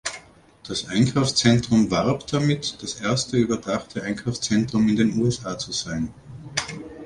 Das Einkaufszentrum warb damit, das erste überdachte Einkaufszentrum in den USA zu sein.